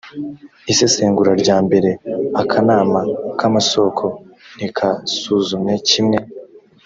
isesengura rya mbere akanama k amasoko ntikasuzumye kimwe